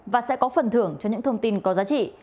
và sẽ có phần thưởng cho những thông tin có giá trị